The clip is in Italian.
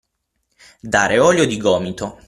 Dare olio di gomito.